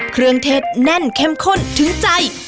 เครื่องเทศแน่นเข้มข้นถึงใจ